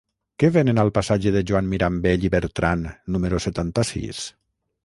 Què venen al passatge de Joan Mirambell i Bertran número setanta-sis?